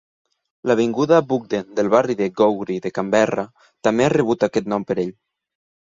L'avinguda Bugden del barri de Gowrie de Canberra també ha rebut aquest nom per ell.